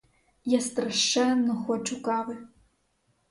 Я страшенно хочу кави.